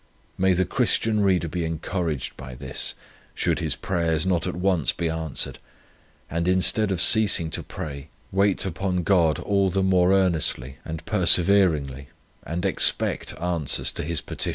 May the Christian reader be encouraged by this, should his prayers not at once be answered; and, instead of ceasing to pray, wait upon God all the more earnestly and perseveringly, and expect answers to his petitions."